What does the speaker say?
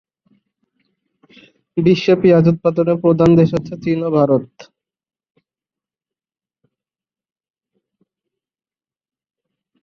বিশ্বে পিঁয়াজ উৎপাদনে প্রধান দেশ হচ্ছে চীন ও ভারত।